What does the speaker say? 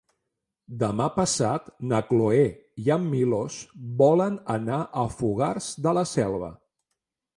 Demà passat na Cloè i en Milos volen anar a Fogars de la Selva.